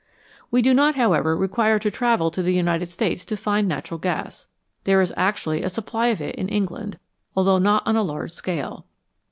We do not, however, require to travel to the United States to find natural gas. There is actually a supply of it in England, although not on a large scale.